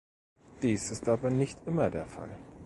Dies ist aber nicht immer der Fall.